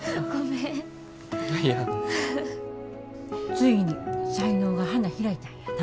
ついに才能が花開いたんやな。